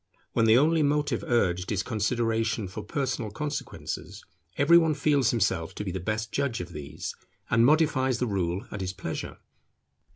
When the only motive urged is consideration for personal consequences, every one feels himself to be the best judge of these, and modifies the rule at his pleasure.